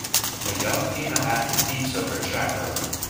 A young female athlete leaps over a track hurdle.